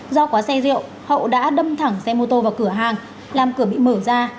do quá say rượu hậu đã đâm thẳng xe mô tô vào cửa hàng làm cửa bị mở ra